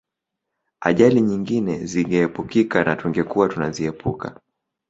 Ajali nyingine zingeepukika na tungekuwa tunaziepuka